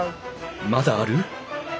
まだある？